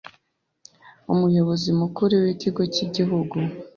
Umuyobozi Mukuru w’Ikigo cy’Igihugu